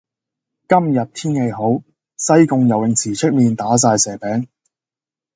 今日天氣好，西貢游泳池出面打晒蛇餅。